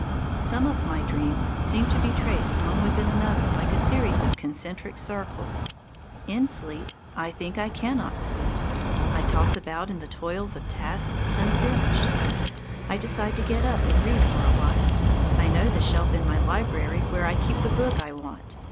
Some of my dreams seem to be traced one within another like a series of concentric circles. In sleep I think I cannot sleep. I toss about in the toils of tasks unfinished. I decide to get up and read for a while. I know the shelf in my library where I keep the book I want.